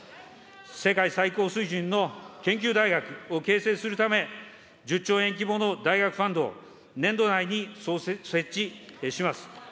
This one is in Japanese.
世界最高水準の研究大学を形成するため、１０兆円規模の大学ファンド、年度内に設置します。